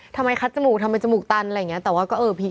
ทำไมคัดจมูกทำไมจมูกตันอะไรอย่างเงี้ย